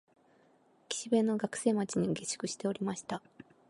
岸辺の学生町に下宿しておりました